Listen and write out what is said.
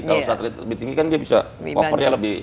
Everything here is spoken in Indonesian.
kalau satelit lebih tinggi kan dia bisa overnya lebih